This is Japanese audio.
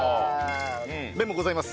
メモございます。